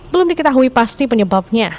belum diketahui pasti penyebabnya